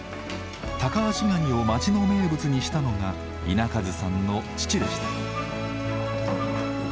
タカアシガニを町の名物にしたのが稲一さんの父でした。